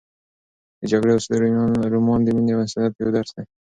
د جګړې او سولې رومان د مینې او انسانیت یو درس دی.